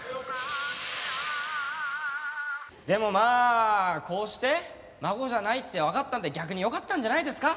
でもまあこうして孫じゃないってわかったんで逆によかったんじゃないですか？